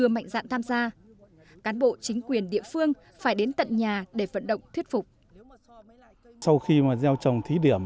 mỗi năm giải quyết hàng nghìn lao động